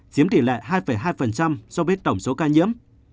chiếm tỷ lệ hai hai so với tổng số ca nhiễm